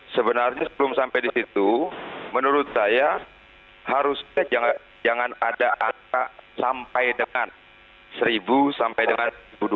sebenarnya sebelum sampai di situ menurut saya harusnya jangan ada angka sampai dengan seribu sampai dengan seribu dua ratus